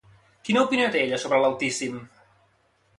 Quina opinió té ella sobre l'Altíssim?